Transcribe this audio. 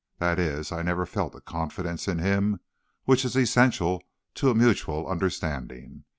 That is, I never felt a confidence in him which is essential to a mutual understanding.